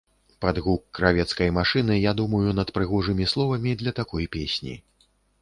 Пад гук кравецкай машыны я думаю над прыгожымі словамі для такой песні.